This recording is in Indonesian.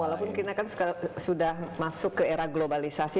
walaupun kita kan sudah masuk ke era globalisasi